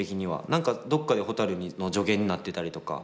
何かどっかでほたるの助言になってたりとか